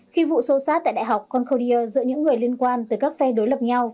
khi vụ xô xát tại đại học concordia giữa những người liên quan tới các phe đối lập nhau